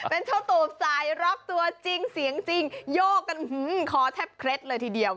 เป็นเจ้าตูบสายร็อกตัวจริงเสียงจริงโยกกันคอแทบเคล็ดเลยทีเดียว